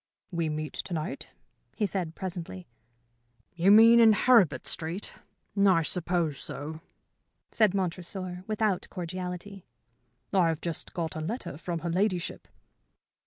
"We meet to night?" he said, presently. "You mean in Heribert Street? I suppose so," said Montresor, without cordiality. "I have just got a letter from her ladyship."